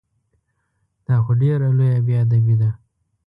دا خو ډېره لویه بې ادبي ده!